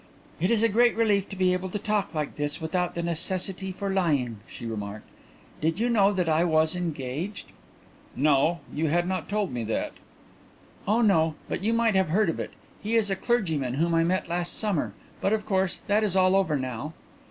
"It is a great relief to be able to talk like this, without the necessity for lying," she remarked. "Did you know that I was engaged?" "No; you had not told me that." "Oh no, but you might have heard of it. He is a clergyman whom I met last summer. But, of course, that is all over now."